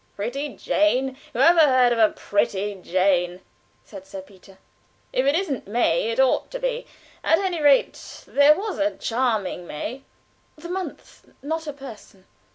"Pretty Jane! Whoever heard of a pretty Jane?" said Sir Peter. "If it isn't May, it ought to be. At any rate, there was a Charming May." "The month not a person."